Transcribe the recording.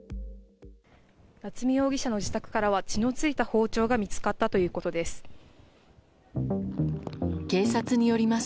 夏見容疑者の自宅からは血の付いた包丁が見つかったということです。